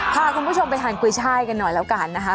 พาคุณผู้ชมไปทานกุยช่ายกันหน่อยแล้วกันนะคะ